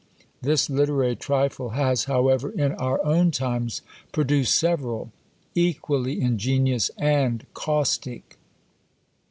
This literary trifle has, however, in our own times produced several, equally ingenious and caustic.